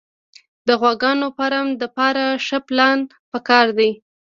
د غواګانو فارم دپاره ښه پلان پکار دی